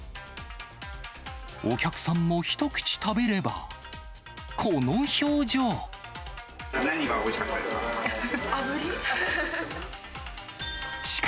お客さんも一口食べれば、この表何がおいしかったですか？